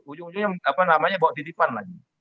ujung ujungnya bawa di pan lagi